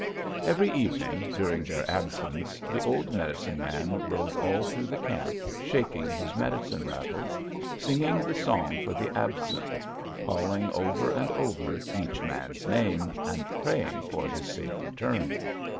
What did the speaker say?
Every evening, during their absence, the old medicine man rode all through the camp, shaking his medicine rattles, singing the song for the absent, calling over and over each one's name, and praying for his safe return.